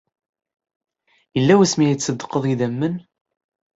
Yella wasmi ay tṣeddqeḍ idammen?